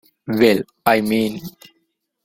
Well, I mean!